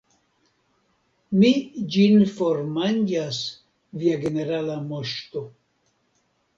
Mi ĝin formanĝas, Via Generala Moŝto.